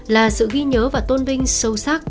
là sự ghi nhớ và tôn vinh sâu sắc